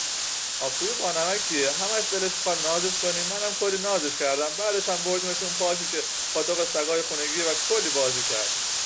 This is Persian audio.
هاپوی بانمکیه همش دلش میخواد نازش کنی منم کلی نازش کردم بعدشم بردیمش اون پارکی که پاتوق سگای خونگیه و کلی بازی کرد